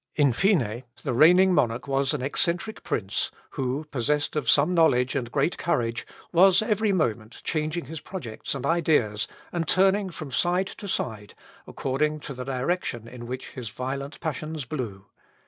In fine, the reigning monarch was an eccentric prince, who, possessed of some knowledge and great courage, was every moment changing his projects and ideas, and turning from side to side, according to the direction in which his violent passions blew.